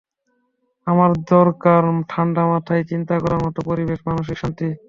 আমার দরকার ঠাণ্ডামাথায় চিন্তা করার মতো পরিবেশ, মানসিক শান্তি।